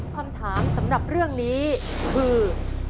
คำถามสำหรับเรื่องนี้คือ